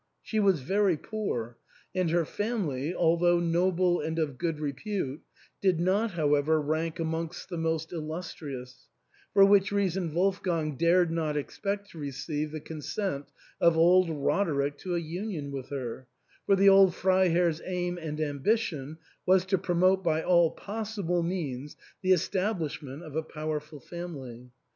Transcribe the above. She was very poor ; and her family, although noble and of good repute, did not, however, rank amongst the most illustrious, for which reason Wolfgang dared not ex pect to receive the consent of old Roderick to a union with her, for the old Freiherr's aim and ambition was to promote by all possible means the establishment .of a powerful family.